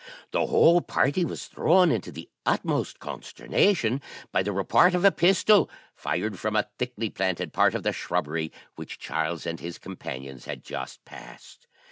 The whole party was thrown into the utmost consternation by the report of a pistol, fired from a thickly planted part of the shrubbery which Charles and his companions had just passed.